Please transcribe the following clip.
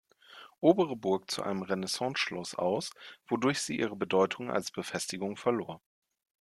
Obere Burg zu einem Renaissanceschloss aus, wodurch sie ihre Bedeutung als Befestigung verlor.